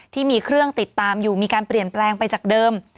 ที่มีเครื่องติดตามอยู่มีการเปลี่ยนแปลงไปจากเดิม